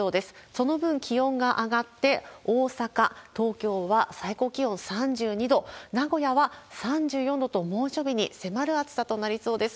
その分気温が上がって、大阪、東京は最高気温３２度、名古屋は３４度と猛暑日に迫る暑さとなりそうです。